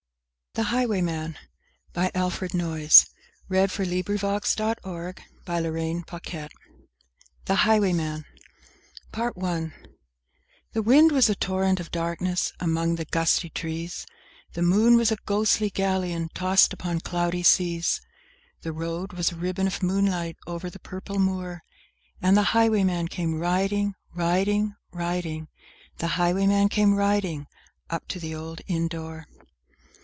Page Mission ...Privacy Policy Links to... ...other Poetry Sites Alfred Noyes (1880 1958) The Highwayman PART ONE I THE wind was a torrent of darkness among the gusty trees, The moon was a ghostly galleon tossed upon cloudy seas, The road was a ribbon of moonlight over the purple moor, And the highwayman came riding— Riding—riding— The highwayman came riding, up to the old inn door.